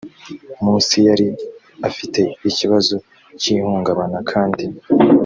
munsi yari afite ikibazo cy ihungabana kandi